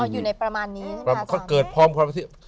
อยู่ในประมาณนี้